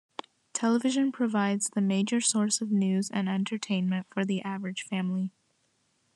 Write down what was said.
Television provides the major source of news and entertainment for the average family.